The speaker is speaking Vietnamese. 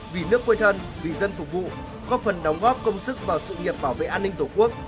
vì nước quê thân vì dân phục vụ góp phần đóng góp công sức vào sự nghiệp bảo vệ an ninh tổ quốc